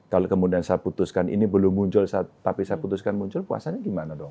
kalau kemudian saya putuskan ini belum muncul tapi saya putuskan muncul puasanya gimana dong